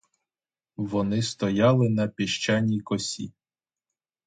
Вони стояли на піщаній косі.